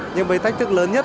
những bài tách thức lớn nhất